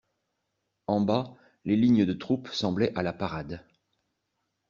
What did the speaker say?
En bas, les lignes de troupes semblaient à la parade.